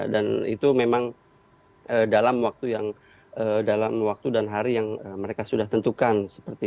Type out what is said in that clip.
dan itu memang dalam waktu dan hari yang mereka sudah tentukan